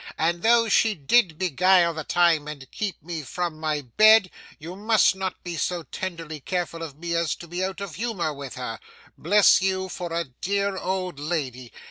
And though she did beguile the time and keep me from my bed, you must not be so tenderly careful of me as to be out of humour with her. Bless you for a dear old lady.